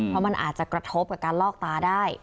เพราะมันอาจจะกระทบกับการลอกตาได้